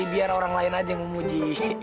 biar orang lain aja yang memuji